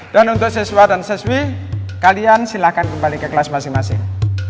dan untuk siswa dan siswi kalian silahkan kembali ke kelas masing masing